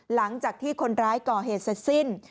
หลังจากที่คนร้ายก่อเหตุเสร็จสิ้น